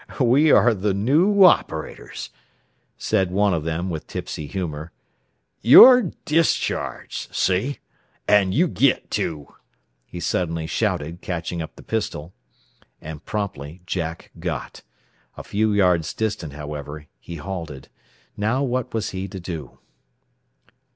We are the new operators," said one of them with tipsy humor. "You're discharged, see? And you git, too!" he suddenly shouted, catching up the pistol. And promptly Jack "got." A few yards distant, however, he halted. Now what was he to do?